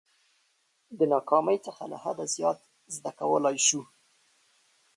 د ناکامۍ څخه له حده زیات زده کولای شو.